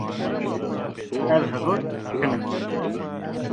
Ev hevok kin e.